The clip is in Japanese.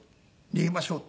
「逃げましょう」。